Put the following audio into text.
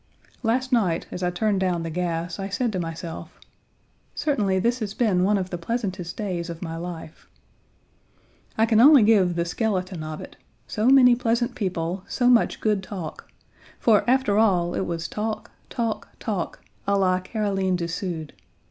Last night, as I turned down the gas, I said to myself: "Certainly this has been one of the pleasantest days of my life." I can only give the skeleton of it, so many pleasant people, so much good talk, for, after all, it was talk, talk, talk à la Caroline du Sud.